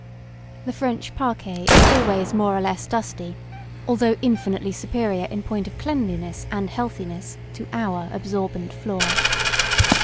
The French parquet is always more or less dusty, although infinitely superior in point of cleanliness and healthiness to our absorbent floor.